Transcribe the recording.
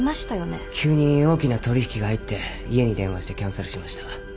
急に大きな取引が入って家に電話してキャンセルしました。